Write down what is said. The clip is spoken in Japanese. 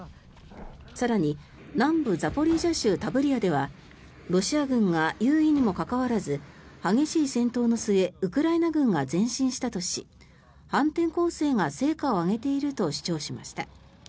更に南部ザポリージャ州タブリアではロシア軍が優位にもかかわらず激しい戦闘の末ウクライナ軍が前進したとし反転攻勢が成果を上げていると主張しました。